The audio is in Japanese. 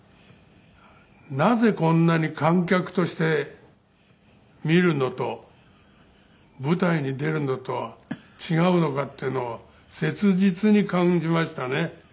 なぜこんなに観客として見るのと舞台に出るのとは違うのかっていうのを切実に感じましたね。